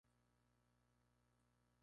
París a principios de verano.